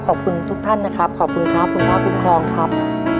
ขอบคุณทุกท่านนะครับขอบคุณครับคุณพ่อคุ้มครองครับ